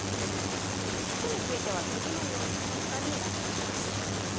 そして基地については次のような結果になっています。